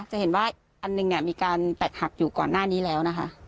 จะเห็นว่าอันหนึ่งเนี่ยมีการแตกหักอยู่ก่อนหน้านี้แล้วนะคะ